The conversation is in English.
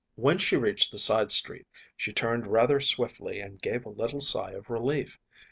When she reached the side street she turned rather swiftly and gave a little sigh of relief.